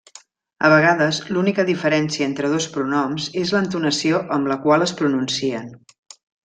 A vegades, l'única diferència entre dos pronoms és l'entonació amb la qual es pronuncien.